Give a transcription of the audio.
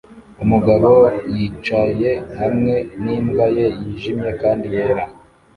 Umugabo yicaye hamwe n'imbwa ye yijimye kandi yera